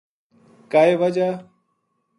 کائے وجہ